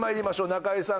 中居さん